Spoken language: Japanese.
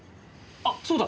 あっそうだ！